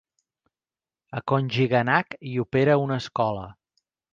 A Kongiganak hi opera una escola.